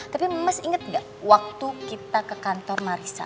tapi mas inget gak waktu kita ke kantor marissa